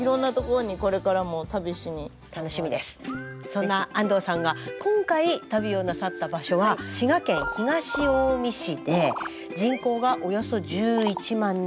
そんな安藤さんが今回旅をなさった場所は滋賀県東近江市で人口がおよそ１１万人。